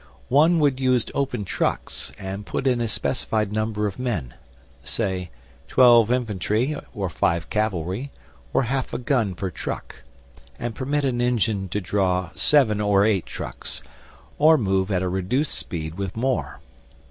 One would use open trucks and put in a specified number of men say twelve infantry or five cavalry or half a gun per truck and permit an engine to draw seven or eight trucks, or move at a reduced speed with more.